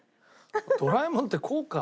ドラえもんってこうか。